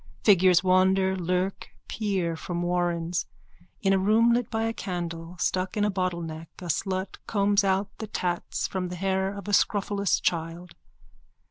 Figures wander, lurk, peer from warrens. In a room lit by a candle stuck in a bottleneck a slut combs out the tatts from the hair of a scrofulous child.